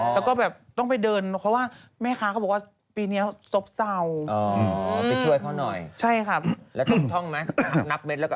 แล้วก็แบบต้องไปเดินเพราะว่าแม่ค้าเขาบอกว่าปีนี้สบเศร้าอ๋อไปช่วยเขาหน่อยใช่ครับแล้วท่องไหมนับเมตรแล้วก็